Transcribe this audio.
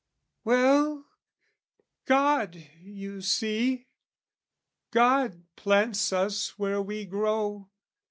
Well, God, you see! God plants us where we grow.